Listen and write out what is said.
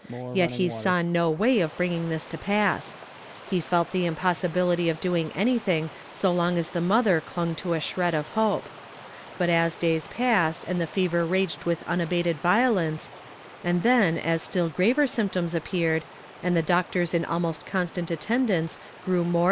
Yet he saw no way of bringing tliis to pass. He felt the impos sil)ility of doing anything so long as the motlior clung to a shred of hope. But as days passed, and the fever raged with unabated violence, and then as still graver symptoms appeared, and the doctors in almost constant attendance grew more if i f i "HE IS DKSrrSED AND Tltil.TECTED.'